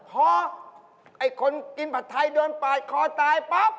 พอไอ้คนกินผัดไทยโดนปาดคอตายปั๊บ